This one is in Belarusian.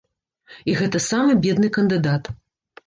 І гэта самы бедны кандыдат.